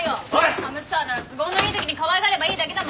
ハムスターなら都合のいいときにかわいがればいいだけだもんね。